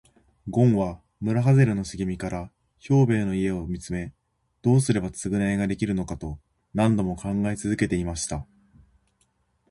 ごんは村はずれの茂みから兵十の家を見つめ、どうすれば償いができるのかと何度も考え続けていました。